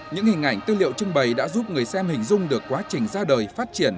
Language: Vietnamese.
những hình ảnh tư liệu trưng bày đã giúp người xem hình dung được quá trình ra đời phát triển